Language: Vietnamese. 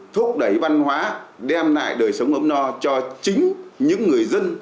thúc đẩy văn hóa đem lại đời sống ấm no cho chính những người dân